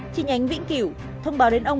chi nhánh vĩnh kiểu thông báo đến ông